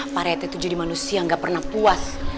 pak rete tuh jadi manusia gak pernah puas